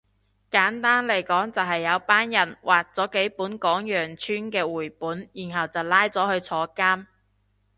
簡單嚟講就係有班人畫咗幾本講羊村嘅繪本然後就拉咗去坐監